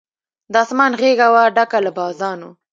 د آسمان غېږه وه ډکه له بازانو